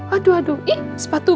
aduh aduh ih sepatu